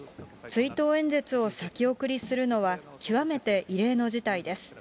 追悼演説を先送りするのは極めて異例の事態です。